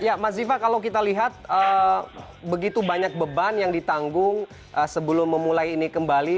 ya mas ziva kalau kita lihat begitu banyak beban yang ditanggung sebelum memulai ini kembali